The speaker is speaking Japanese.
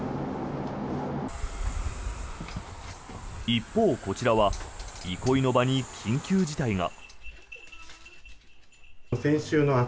一方、こちらは憩いの場に緊急事態が。